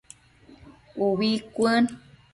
Ubi cuën